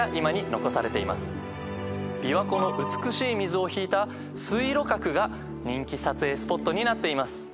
琵琶湖の美しい水を引いた水路閣が人気撮影スポットになっています。